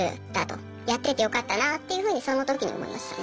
やっててよかったなっていうふうにその時に思いましたね。